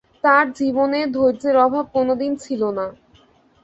তাঁর জীবনে ধৈর্যের অভাব কোনোদিন ছিল না।